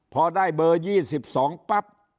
พอได้เบอร์ยี่สิบสองปั๊บ